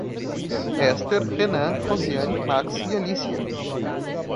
Esther, Renan, Roseane, Max e Alícia